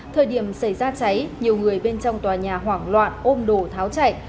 thời điểm xảy ra cháy nhiều người bên trong tòa nhà hoảng loạn ôm đồ tháo chạy